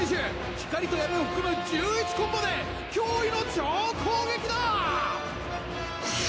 光と闇を含む１１コ驚異の超攻撃だ！